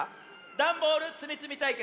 ダンボールつみつみたいけつ」